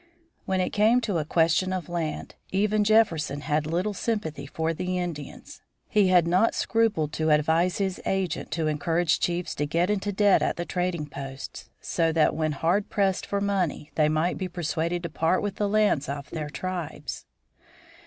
When it came to a question of land, even Jefferson had little sympathy for the Indians. He had not scrupled to advise his agent to encourage chiefs to get into debt at the trading posts, so that when hard pressed for money they might be persuaded to part with the lands of their tribes.